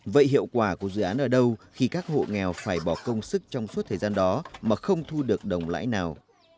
vậy hiệu quả của dự án ở đâu khi các hộ nghèo phải bỏ công sức trong suốt thời gian đó mà không thu được đồng lãi nào